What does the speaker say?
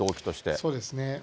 そうですね。